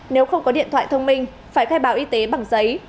nếu không có điện thoại thông minh phải khai báo y tế bằng giấy